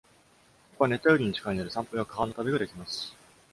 ここは熱帯雨林に近いので、散歩や川の旅ができます。